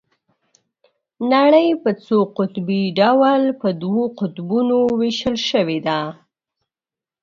نړۍ په څو قطبي ډول په دوو قطبونو ويشل شوې ده.